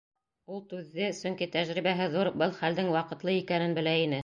Ул түҙҙе, сөнки тәжрибәһе ҙур, был хәлдең ваҡытлы икәнен белә ине.